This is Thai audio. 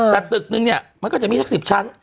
แต่ตึกนึงเนี่ยมันก็จะมีสัก๑๐ชั้น